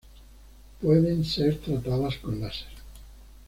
Pueden ser tratadas con láser.